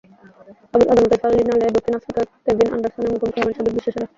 আগামীকাল ফাইনালে দক্ষিণ আফ্রিকার কেভিন অ্যান্ডারসনের মুখোমুখি হবেন সাবেক বিশ্বসেরা।